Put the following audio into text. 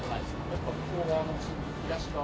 やっぱり向こう側の新宿東側？